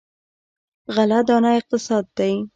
غله دانه اقتصاد دی.